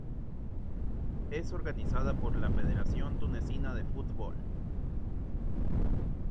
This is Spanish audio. Es organizada por la Federación Tunecina de Fútbol.